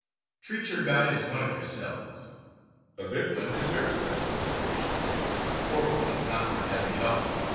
Treat your guide as one of yourselves. A good one deserves such consider ation; a poor one is not worth having at all.